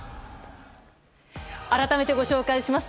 改めてご紹介します。